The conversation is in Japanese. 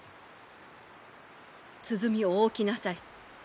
鼓をお置きなさい。